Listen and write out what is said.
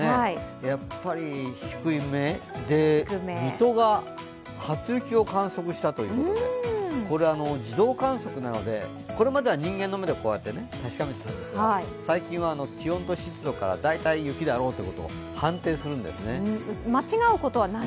やっぱり低めで、水戸が初雪を観測したということでこれは自動観測なので、これまでは人間の目で確かめていたんですが最近は気温と湿度から大体、雪だろうと判定するんですね。